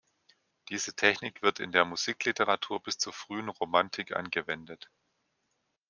Diese Technik wird in der Musikliteratur bis zur frühen Romantik angewendet.